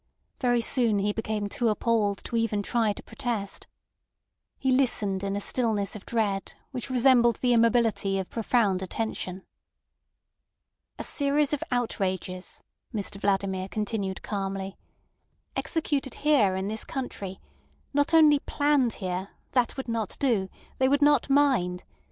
Very soon he became too appalled to even try to protest. He listened in a stillness of dread which resembled the immobility of profound attention. "A series of outrages," Mr Vladimir continued calmly, "executed here in this country; not only planned here—that would not do—they would not mind.